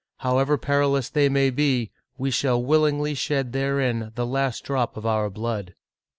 However perilous they may be, we shall willingly shed therein the last drop of our blood!'